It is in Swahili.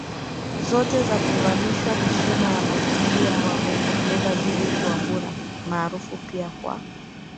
zote za kuvalishwa heshima ya Malkia wa Bongo fleva Judith Wambura maarufu pia kwa